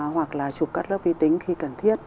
hoặc là chụp cắt lớp vi tính khi cần thiết